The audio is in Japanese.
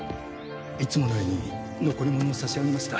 いつものように残り物を差し上げました。